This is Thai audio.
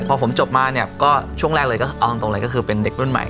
พอผมจบมาเนี่ยก็ช่วงแรกเลยก็เอาตรงเลยก็คือเป็นเด็กรุ่นใหม่